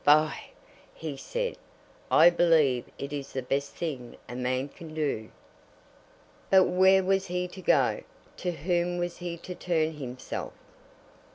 "By !" he said, "I believe it is the best thing a man can do." But where was he to go? to whom was he to turn himself?